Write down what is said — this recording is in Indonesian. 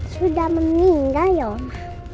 sudah meninggal ya om